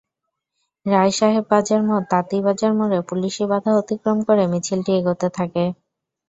রায়সাহেব বাজার মোড়, তাঁতীবাজার মোড়ে পুলিশি বাধা অতিক্রম করে মিছিলটি এগোতে থাকে।